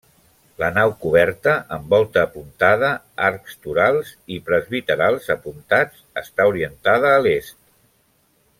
La nau coberta amb volta apuntada, arcs torals i presbiterals apuntats està orientada a l'est.